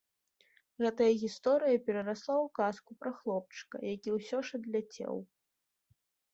Гэтая гісторыя перарасла ў казку пра хлопчыка, які ўсё ж адляцеў.